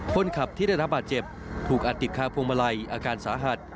คนขับที่ได้รับบาดเจ็บถูกอัดติดคาพวงมาลัยอาการสาหัส